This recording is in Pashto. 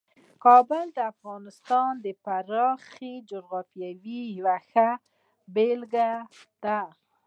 کابل د افغانستان د پراخې جغرافیې یوه ښه بېلګه ده.